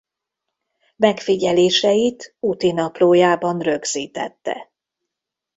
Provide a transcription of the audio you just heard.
Megfigyeléseit útinaplójában rögzítette.